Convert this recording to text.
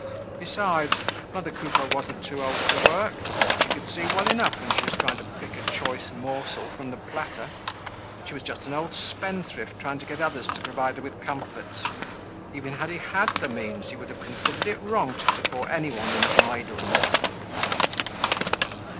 Besides, mother Coupeau wasn't too old to work. She could see well enough when she was trying to pick a choice morsel from the platter. She was just an old spendthrift trying to get others to provide her with comforts. Even had he had the means, he would have considered it wrong to support any one in idleness.